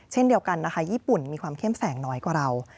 เช่นเดียวกันนะคะญี่ปุ่นมีความเข้มแสงน้อยกว่าเรา